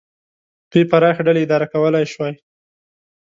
دوی پراخې ډلې اداره کولای شوای.